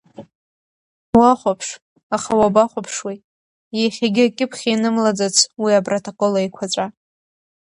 Уахәаԥш, аха уабахәаԥшуеи, иахьагьы акьыԥхь ианымлаӡац уи апротокол еиқәаҵәа.